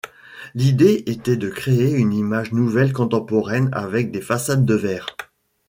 L’idée était de créer une image nouvelle, contemporaine avec des façades de verre.